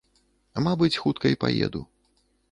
Мабыць, хутка й паеду.